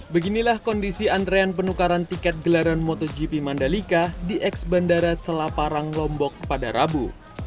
beginilah kondisi antrean penukaran tiket gelaran motogp mandalika di ex bandara selaparang lombok pada rabu